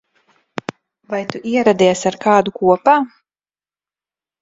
Vai tu ieradies ar kādu kopā?